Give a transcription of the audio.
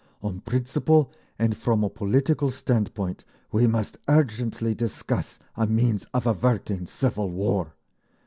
On principle and from a political standpoint we must urgently discuss a means of averting civil war.